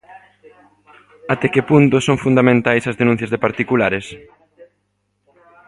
Até que punto son fundamentais as denuncias de particulares?